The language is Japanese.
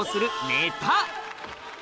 ネタ